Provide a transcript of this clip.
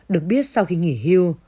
được biết sau khi nghỉ hưu